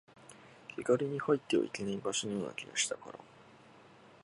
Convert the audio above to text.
気軽に入ってはいけない場所のような気がしたから